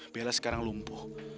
bella sekarang lumpuh